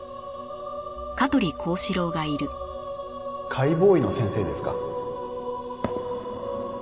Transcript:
解剖医の先生ですか？